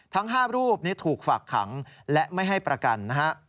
ทั้ง๕รูปนี้ถูกฝากขังและไม่ให้ประกันนะฮะ